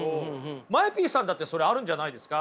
ＭＡＥＰさんだってそれあるんじゃないですか？